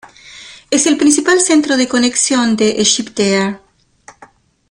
Es el principal centro de conexión de EgyptAir.